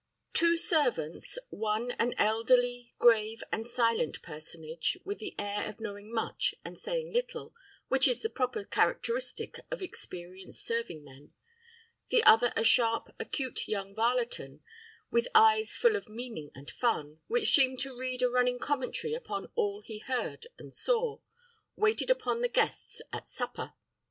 Two servants, one an elderly, grave, and silent personage, with the air of knowing much and saying little, which is the proper characteristic of experienced serving men; the other a sharp, acute young varleton, with eyes full of meaning and fun, which seemed to read a running commentary upon all he heard and saw, waited upon the guests at supper.